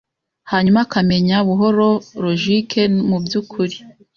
hanyuma akamenya buhoro logique mubyukuri